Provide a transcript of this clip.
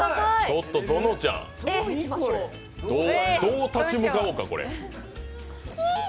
ちょっとゾノちゃんどう立ち向かおうか、これ。